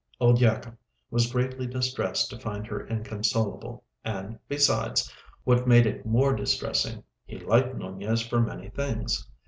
Old Yacob was greatly distressed to find her inconsolable, and, besides—what made it more distressing—he liked Nunez for many things.